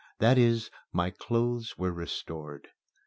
That is, my clothes were restored.